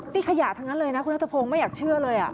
นี่ขยะทั้งนั้นเลยนะคุณนัทพงศ์ไม่อยากเชื่อเลย